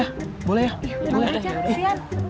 iya boleh aja kasian